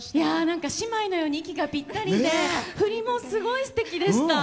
何か姉妹のように息がぴったりで振りもすごいすてきでした。